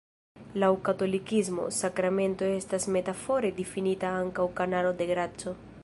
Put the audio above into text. Laŭ katolikismo, sakramento estas metafore difinita ankaŭ "kanalo de graco".